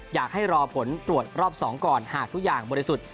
อยากให้รอผลตรวจรอบ๒ก่อนหากทุกอย่างบริสุทธิ์